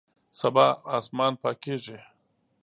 سبا اسمان پاکیږي